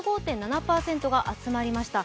５５．７％が集まりました。